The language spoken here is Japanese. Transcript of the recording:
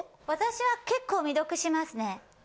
私は結構未読しますね。